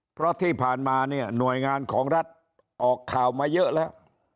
เพราะที่ผ่านมาเนี่ยหน่วยงานของรัฐออกข่าวมาเยอะแล้ว